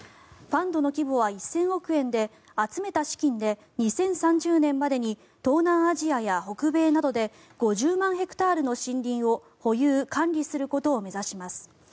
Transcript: ファンドの規模は１０００億円で集めた資金で２０３０年までに東南アジアや北米などで５０万ヘクタールの森林を保有・管理することを目指します。